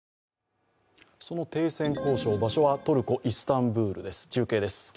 その停戦交渉、場所はトルコ・イスタンブールです。